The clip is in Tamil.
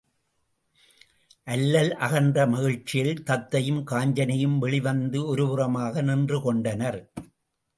அல்லல் அகன்ற மகிழ்ச்சியில் தத்தையும் காஞ்சனையும் வெளிவந்து ஒருபுறமாக நின்று கொண்டனர்.